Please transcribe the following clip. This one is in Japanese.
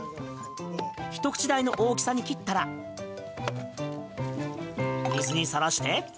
ひと口大の大きさに切ったら水にさらして。